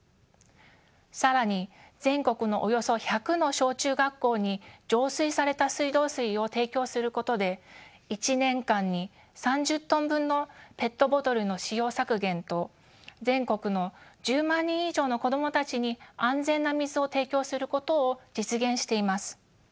更に全国のおよそ１００の小中学校に浄水された水道水を提供することで１年間に３０トン分のペットボトルの使用削減と全国の１０万人以上の子供たちに安全な水を提供することを実現しています。